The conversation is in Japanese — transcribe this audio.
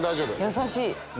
優しい！